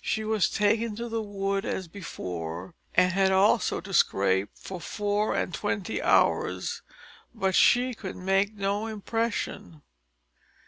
She was taken to the wood as before, and had also to scrape for four and twenty hours; but she could make no impression.